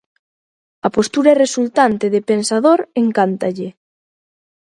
A postura resultante, de pensador, encántalle.